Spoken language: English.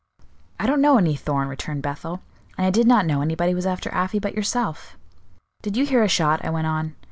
'I don't know any Thorn,' returned Bethel, 'and I did not know anybody was after Afy but yourself.' 'Did you hear a shot?' I went on.